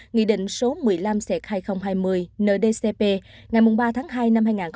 nghị định số một mươi năm hai nghìn hai mươi ndcp ngày ba hai hai nghìn hai mươi